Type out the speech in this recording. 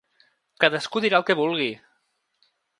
Cadascú dirà el que vulgui!